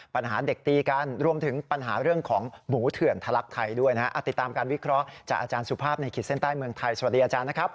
ปัญหาเด็กตีกันรวมถึงปัญหาเรื่องของหมูเถื่อนทะลักไทยด้วยนะฮะติดตามการวิเคราะห์จากอาจารย์สุภาพในขีดเส้นใต้เมืองไทยสวัสดีอาจารย์นะครับ